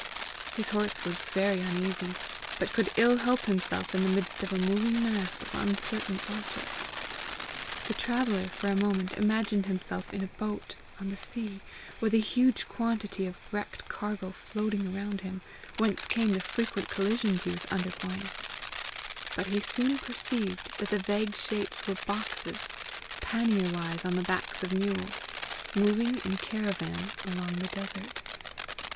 His horse was very uneasy, but could ill help himself in the midst of a moving mass of uncertain objects. The traveller for a moment imagined himself in a boat on the sea, with a huge quantity of wrecked cargo floating around him, whence came the frequent collisions he was undergoing; but he soon perceived that the vague shapes were boxes, pannierwise on the backs of mules, moving in caravan along the desert.